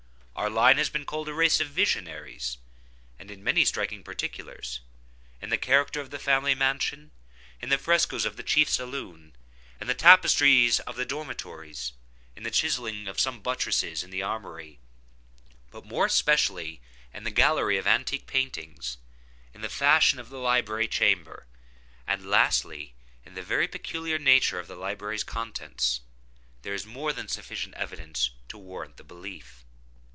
Our line has been called a race of visionaries; and in many striking particulars—in the character of the family mansion—in the frescos of the chief saloon—in the tapestries of the dormitories—in the chiselling of some buttresses in the armory—but more especially in the gallery of antique paintings—in the fashion of the library chamber—and, lastly, in the very peculiar nature of the library's contents—there is more than sufficient evidence to warrant the belief.